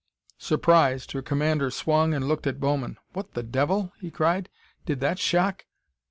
Surprised, her commander swung and looked at Bowman. "What the devil?" he cried. "Did that shock